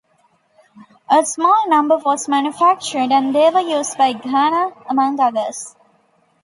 A small number was manufactured, and they were used by Ghana, among others.